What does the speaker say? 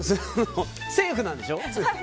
セーフなんでしょ。